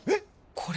これ。